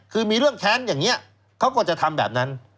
คือมีเรื่องแค้นอย่างนี้เขาก็จะทำแบบนั้น